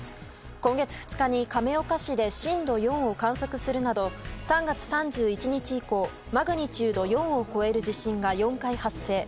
今月２日に亀岡市で震度４を観測するなど３月３１日以降マグニチュード４を超える地震が４回発生。